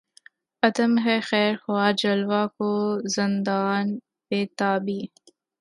عدم ہے خیر خواہ جلوہ کو زندان بیتابی